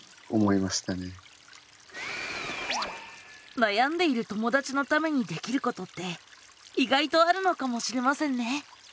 悩んでいる友だちのためにできることって意外とあるのかもしれませんね。